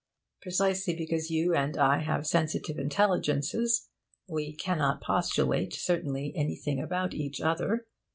Precisely because you and I have sensitive intelligences, we cannot postulate certainly anything about each other.